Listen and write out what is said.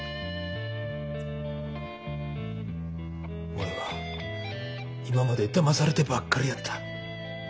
おれは今までだまされてばっかりやった。